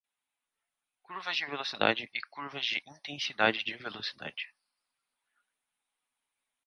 Curvas de velocidade e curvas de intensidade de velocidade.